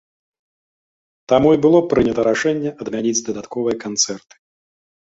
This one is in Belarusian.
Таму і было прынята рашэнне адмяніць дадатковыя канцэрты.